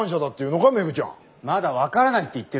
まだわからないって言ってるんです。